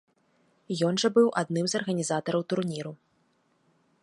Ён жа быў адным з арганізатараў турніру.